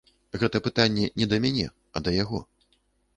Гэта пытанне не да мяне, а да яго.